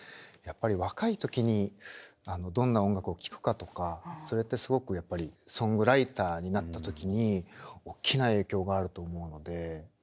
やっぱり若い時にどんな音楽を聴くかとかそれってすごくやっぱりソングライターになった時におっきな影響があると思うので。